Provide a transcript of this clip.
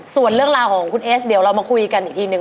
ส่วนเรื่องราวของคุณเอสเดี๋ยวเรามาคุยกันอีกทีนึง